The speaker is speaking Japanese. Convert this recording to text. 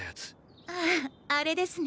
あぁあれですね。